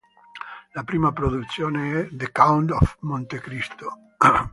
La prima produzione è "The Count of Monte Cristo".